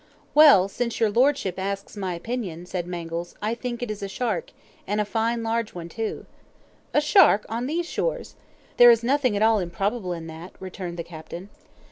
"Well, since your Lordship asks my opinion," said Mangles, "I think it is a shark, and a fine large one too." "A shark on these shores!" "There is nothing at all improbable in that," returned the captain.